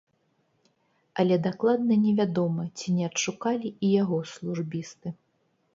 Але дакладна невядома, ці не адшукалі і яго службісты.